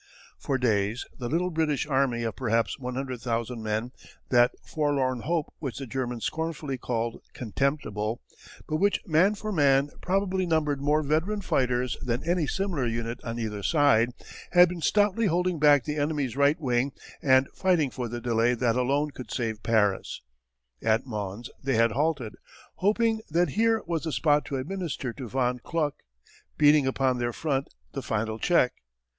For days the little British army of perhaps 100,000 men, that forlorn hope which the Germans scornfully called "contemptible," but which man for man probably numbered more veteran fighters than any similar unit on either side, had been stoutly holding back the enemy's right wing and fighting for the delay that alone could save Paris. At Mons they had halted, hoping that here was the spot to administer to von Kluck, beating upon their front, the final check.